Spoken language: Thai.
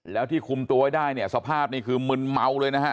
แล้วที่คุมตัวไว้ได้เนี่ยสภาพนี่คือมึนเมาเลยนะฮะ